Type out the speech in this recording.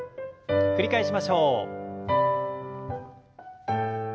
繰り返しましょう。